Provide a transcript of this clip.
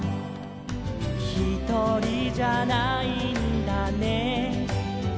「ひとりじゃないんだね」